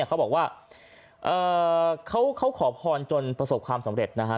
เขาบอกว่าเขาขอพรจนประสบความสำเร็จนะฮะ